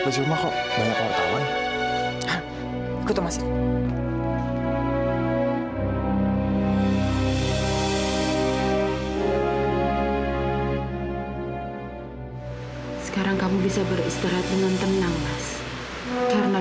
jadi saya mohon bantuan pada wartawan untuk membantu menemukan kembali calon menanti cucu saya